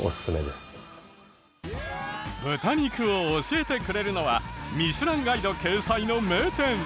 豚肉を教えてくれるのは『ミシュランガイド』掲載の名店。